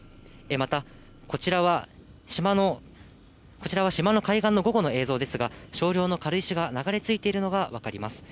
また、こちらは島の海岸の午後の映像ですが、少量の軽石が流れ着いているのが分かります。